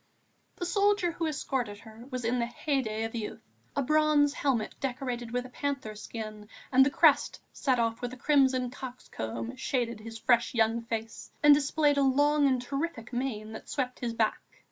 The soldier who escorted her was in the heyday of youth. A brazen helmet decorated with a panther skin and the crest set off with a crimson cock's comb shaded his fresh young face and displayed a long and terrific mane that swept his back.